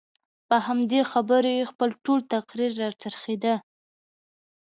په همدې خبرو یې خپل ټول تقریر راڅرخېده.